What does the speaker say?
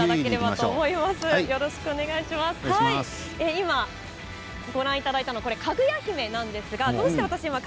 今、ご覧いただいたのはかぐや姫なんです。